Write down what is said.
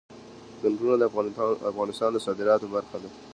ځنګلونه د افغانستان د صادراتو برخه ده.